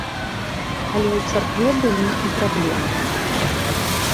Але ў царкве былі і праблемы.